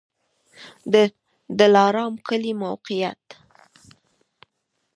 د دلارام کلی موقعیت